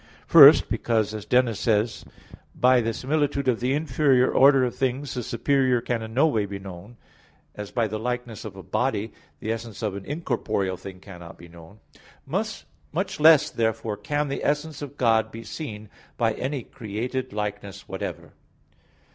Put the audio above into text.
First, because as Dionysius says (Div. Nom. i), "by the similitudes of the inferior order of things, the superior can in no way be known;" as by the likeness of a body the essence of an incorporeal thing cannot be known. Much less therefore can the essence of God be seen by any created likeness whatever.